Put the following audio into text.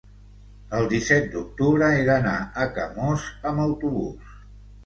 el disset d'octubre he d'anar a Camós amb autobús.